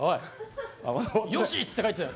「よし」っつって帰っちゃう。